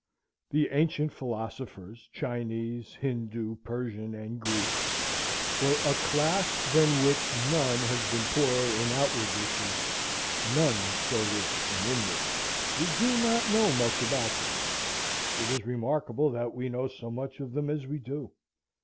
The ancient philosophers, Chinese, Hindoo, Persian, and Greek, were a class than which none has been poorer in outward riches, none so rich in inward. We know not much about them. It is remarkable that we know so much of them as we do.